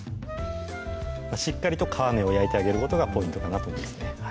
しっかりと皮目を焼いてあげることがポイントかなと思いますね